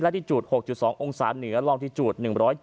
และที่จุด๖๒องศาเหนือลองที่จูด๑๗